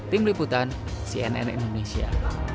tim liputan cnn indonesia